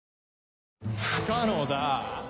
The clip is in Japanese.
不可能だあ？